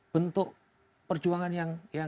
bentuk perjuangan yang